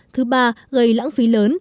thứ ba gây lãng phí lớn